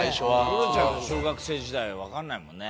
クロちゃんの小学生時代わかんないもんね。